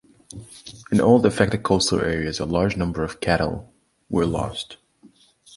In all the affected coastal areas, a large number of cattle were lost.